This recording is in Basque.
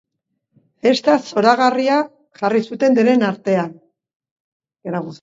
Festa gozagarria jarri zuten denen artean.